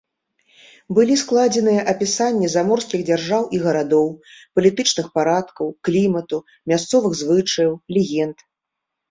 Былі складзеныя апісанні заморскіх дзяржаў і гарадоў, палітычных парадкаў, клімату, мясцовых звычаяў, легенд.